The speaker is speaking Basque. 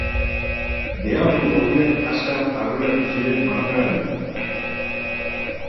Deabru gorriak azkar aurreratu ziren markagailuan.